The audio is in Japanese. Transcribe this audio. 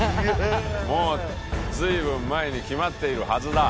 もう随分前に決まっているはずだ。